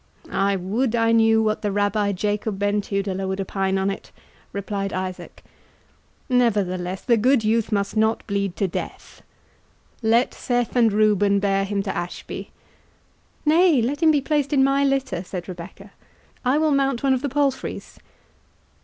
"I would I knew what the Rabbi Jacob Ben Tudela would opine on it," replied Isaac;—"nevertheless, the good youth must not bleed to death. Let Seth and Reuben bear him to Ashby." "Nay, let them place him in my litter," said Rebecca; "I will mount one of the palfreys."